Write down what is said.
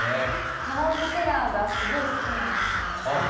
タワー・オブ・テラーがすごい好きなんですよ、私。